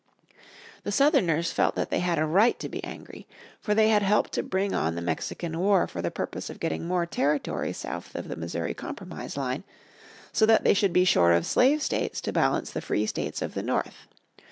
The Southerners felt that they had a right to be angry. For they had helped to bring on the Mexican War for the purpose of getting more territory south of the Missouri Compromise Line, so that they should be sure of slave states to balance the free states of the north.